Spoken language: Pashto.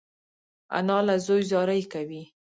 انا له زوی زاری کوي